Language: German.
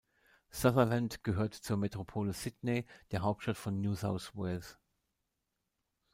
Sutherland gehört zur Metropole Sydney, der Hauptstadt von New South Wales.